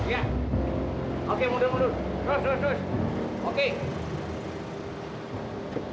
ya oke mundur mundur terus terus terus